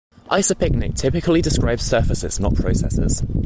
Isopycnic typically describes surfaces, not processes.